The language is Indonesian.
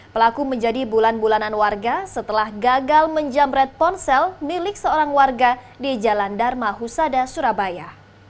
pelaku menjadi bulan bulanan warga setelah gagal menjamret ponsel milik seorang warga di jalan dharma husada surabaya